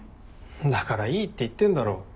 だからいいって言ってんだろ。